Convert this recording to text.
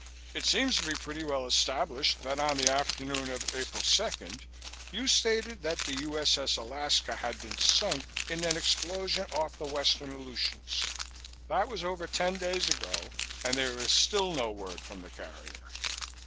It seems to be pretty well established that on the afternoon of April second you stated that the U.S.S. Alaska had been sunk in an explosion off the western Aleutians. That was over ten days ago and there is still no word from the carrier.